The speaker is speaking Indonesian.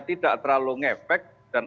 tidak terlalu ngefek dan